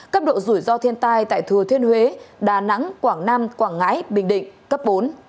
cấp độ rủi ro thiên tai tại thừa thiên huế đà nẵng quảng nam quảng ngãi bình định cấp bốn